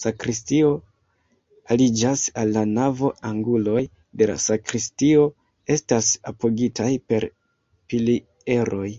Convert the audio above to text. Sakristio aliĝas al la navo, anguloj de la sakristio estas apogitaj per pilieroj.